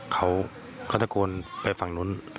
เขาก็ตะโกนไปฝั่งนู้น